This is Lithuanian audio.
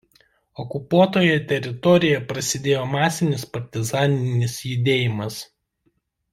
Okupuotoje teritorijoje prasidėjo masinis partizaninis judėjimas.